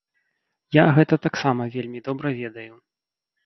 Я гэта таксама вельмі добра ведаю.